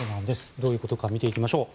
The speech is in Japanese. どういうことが見ていきましょう。